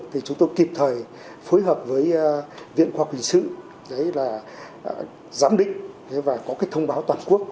thì chúng tôi kịp thời phối hợp với viện khoa quỳnh sự giám định và có cái thông báo toàn quốc